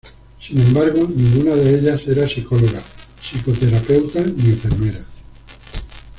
Sin embargo, ninguna de ellas era psicóloga, psicoterapeuta ni enfermera.